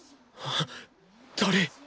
誰！？